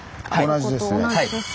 同じですね。